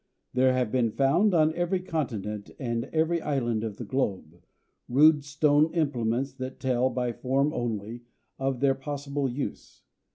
There have been found, on every continent and every island of the globe, rude stone implements that tell, by form only, of their possible use.